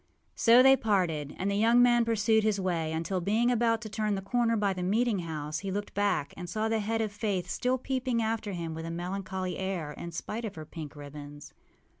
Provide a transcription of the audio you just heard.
â So they parted; and the young man pursued his way until, being about to turn the corner by the meeting house, he looked back and saw the head of Faith still peeping after him with a melancholy air, in spite of her pink ribbons.